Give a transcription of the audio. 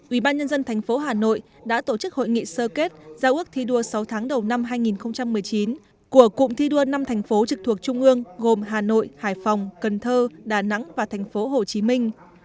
ủy ban nhân dân thành phố hà nội đã tổ chức hội nghị sơ kết giao ước thi đua sáu tháng đầu năm hai nghìn một mươi chín của cụm thi đua năm thành phố trực thuộc trung ương gồm hà nội hải phòng cần thơ đà nẵng và thành phố hồ chí minh